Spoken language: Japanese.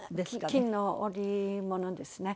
金の織物ですね。